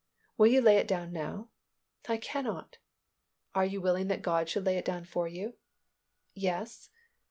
"Will you lay it down now?" "I cannot." "Are you willing that God should lay it down for you?" "Yes."